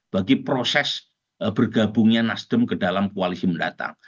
bagi proses bergabungnya nasdem ke dalam koalisi mendatang